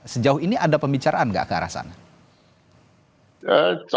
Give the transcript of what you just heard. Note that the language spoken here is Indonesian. sejauh ini ada pembicaraan nggak ke arah sana